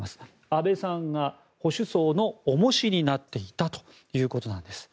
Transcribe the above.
安倍さんが保守層の重しになっていたということなんです。